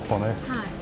はい。